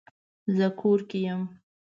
زه کور کې یم